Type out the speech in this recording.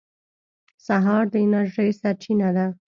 سهار د انرژۍ سرچینه ده.